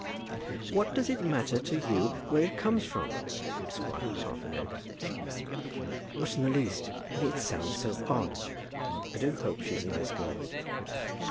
"What does it matter to you where it comes from?" said the squire, half in anger. "Not in the least; only it sounds so odd. I do hope she's a nice girl."